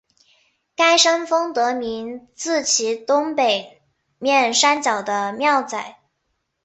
该山峰得名自其东北面山脚的庙仔。